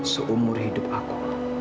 seumur hidup aku